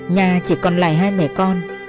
nhà chỉ còn lại hai mẹ con